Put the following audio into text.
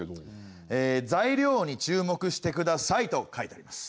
「材料に注目してください」と書いてあります。